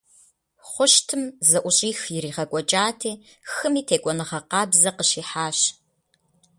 Хъущтым зэӏущӏих иригъэкӏуэкӏати, хыми текӏуэныгъэ къабзэ къыщихьащ.